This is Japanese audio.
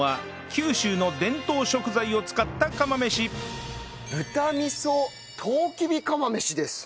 九州の伝統食材を使った釜飯豚味噌とうきび釜飯です。